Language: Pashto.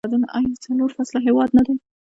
آیا څلور فصله هیواد نه دی؟